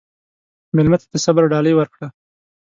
مېلمه ته د صبر ډالۍ ورکړه.